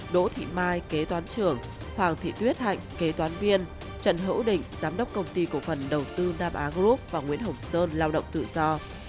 đỗ thị mai kế toán trưởng hoàng thị tuyết hạnh kế toán viên trần hữu định giám đốc công ty cổ phần đầu tư nam á group và nguyễn hồng sơn lao động tự do